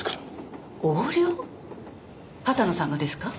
畑野さんがですか？